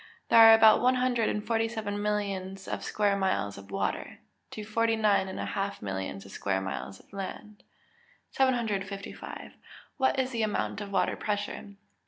_ There are about one hundred and forty seven millions of square miles of water, to forty nine and a half millions of square miles of land. 755. _What is the amount of water pressure?